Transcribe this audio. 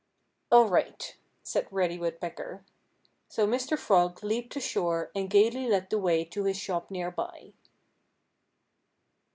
"All right!" said Reddy Woodpecker. So Mr. Frog leaped ashore and gayly led the way to his shop near by.